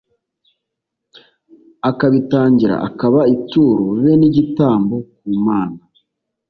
akabitangira akaba ituro b n igitambo ku Mana